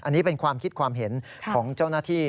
อันนี้เป็นความคิดความเห็นของเจ้าหน้าที่